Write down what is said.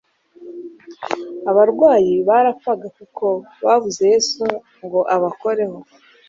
Abarwayi barapfaga kuko babuze Yesu ngo abakoreho.